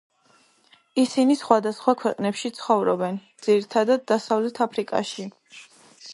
ისინი სხვა და სხვა ქვეყნებში ცხოვრობენ, ძირითადად დასავლეთ აფრიკაში.